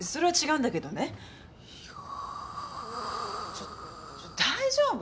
ちょっと大丈夫？